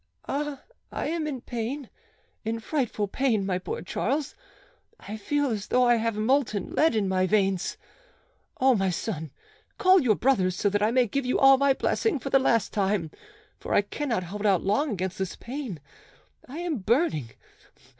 "Ah, I am in pain, in frightful pain, my poor Charles. I feel as though I have molten lead in my veins. O my son, call your brothers, so that I may give you all my blessing for the last time, for I cannot hold out long against this pain. I am burning.